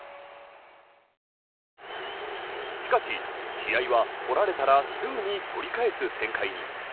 しかし、試合は取られたらすぐに取り返す展開に。